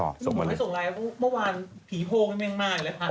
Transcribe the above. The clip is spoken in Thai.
หนูไม่ส่งไลน์เพราะเมื่อวานผีโพงยังไม่มากเลยพัน